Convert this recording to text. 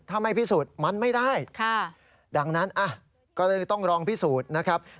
ถ้าไม่พิสูจน์มันไม่ได้ดังนั้นก็เลยต้องลองพิสูจน์นะครับ